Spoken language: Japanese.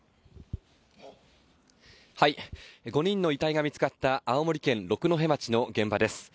５人の遺体が見つかった青森県六戸町の現場です。